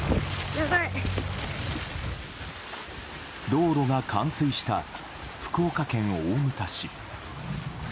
道路が冠水した福岡県大牟田市。